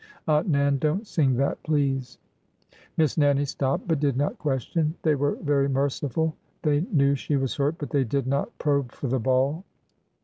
'' Aunt Nan,— don't sing that, please.'^ CONFIRMATION STRONG 371 Miss Nannie stopped, but did not question. They were very merciful. They knew she was hurt, but they did not probe for the ball.